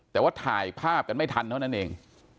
แต่ว่าถ่ายภาพกันไม่ทันเท่านั้นเอง